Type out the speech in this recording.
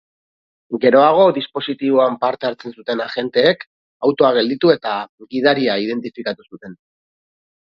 Geroago, dispositiboan parte hartzen zuten agenteek autoa gelditu eta gidaria identifikatu zuten.